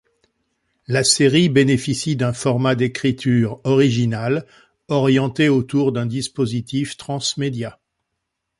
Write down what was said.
La série bénéficie d'un format d'écriture original orienté autour d'un dispositif transmédia.